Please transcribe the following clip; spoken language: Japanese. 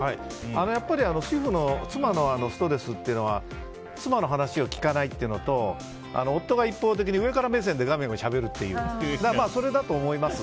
やっぱり主婦、妻のストレスというのは妻の話を聞かないというのと夫が一方的に上から目線でガミガミしゃべるというそれだと思います。